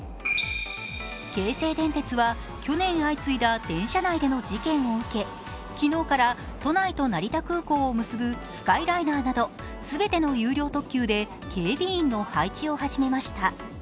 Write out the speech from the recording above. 京成電鉄は、去年相次いだ電車内での事件を受け昨日から都内と成田空港を結ぶスカイライナーなど全ての有料特急で警備員の配置を始めました。